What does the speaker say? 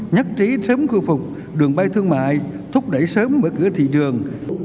nhất trí sớm khôi phục đường bay thương mại thúc đẩy sớm mở cửa thị trường